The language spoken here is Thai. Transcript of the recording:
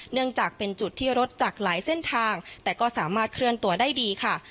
เนื่องจากเป็นจุดที่รถจากหลายเส้นทางแต่ก็สามารถเคลื่อนตัวได้ดีค่ะ